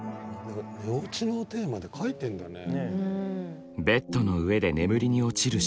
寝落ちのテーマで書いてんだね。